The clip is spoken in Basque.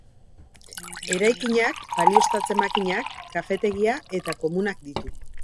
Eraikinak balioztatze-makinak, kafetegia eta komunak ditu.